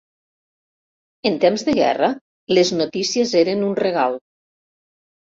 En temps de guerra, les notícies eren un regal.